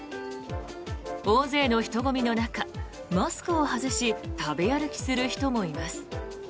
大勢の人混みの中マスクを外し食べ歩きする人もいます。